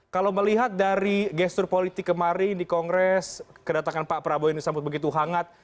kalau melihat dari gestur politik kemarin di kongres kedatangan pak prabowo ini sambut begitu hangat